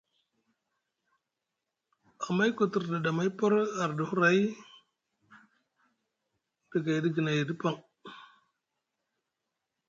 Amayku te rɗaɗi amay par arɗi huray ɗa gayɗi guinay ɗa paŋ.